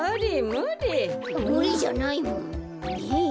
むりじゃないもん。